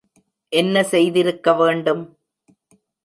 என்ன செய்திருக்க வேண்டும்?